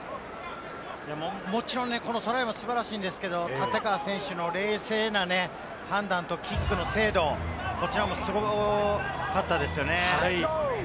もちろんこのトライは素晴らしいんですけれども、立川選手の冷静な判断とキックの精度、こちらもすごかったですよね。